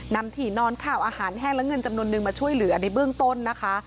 ถี่นอนข่าวอาหารแห้งและเงินจำนวนนึงมาช่วยเหลือในเบื้องต้นนะคะ